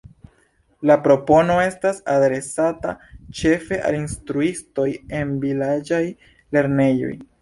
La propono estas adresata ĉefe al instruistoj el vilaĝaj lernejoj.